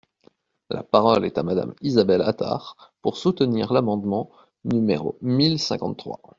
La parole est à Madame Isabelle Attard, pour soutenir l’amendement numéro mille cinquante-trois.